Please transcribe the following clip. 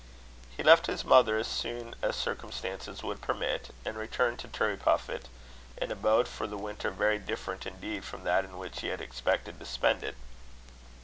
He left his mother as soon as circumstances would permit, and returned to Turriepuffit; an abode for the winter very different indeed from that in which he had expected to spend it.